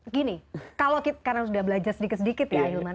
gini karena sudah belajar sedikit sedikit ya ahilman